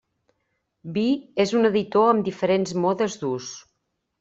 Vi és un editor amb diferents modes d'ús.